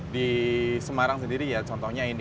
di semarang sendiri ya contohnya ini